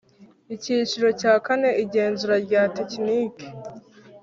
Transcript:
Icyiciro cya kane Igenzura rya tekiniki